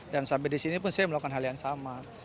dan sampai di sini pun saya melakukan hal yang sama